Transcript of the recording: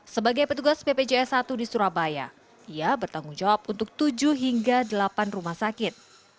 sebagai petugas bpjs satu di surabaya ia bertanggung jawab untuk tujuh hingga delapan rumah sakit